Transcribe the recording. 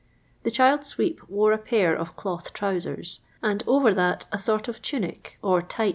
The child sweep wore a pair of cbth ■ trowsers, and over that n sort of tunic, or tight